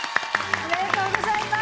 おめでとうございます。